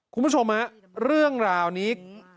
คุณผู้ชมฮะเรื่องราวนี้